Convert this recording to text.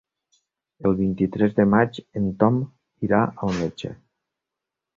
El vint-i-tres de maig en Tom irà al metge.